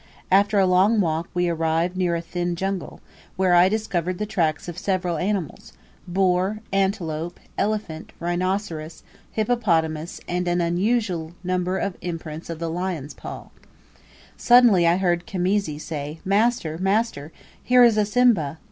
After a long walk we arrived near a thin jungle, where I discovered the tracks of several animals boar, antelope, elephant, rhinoceros, hippopotamus, and an unusual number of imprints of the lion's paw. Suddenly I heard Khamisi say, "Master, master! here is a 'simba!'